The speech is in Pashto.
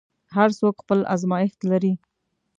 هر څوک خپل ازمېښت لري.